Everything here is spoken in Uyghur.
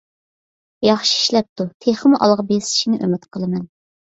ياخشى ئىشلەپتۇ، تېخىمۇ ئالغا بېسىشىنى ئۈمىد قىلىمەن.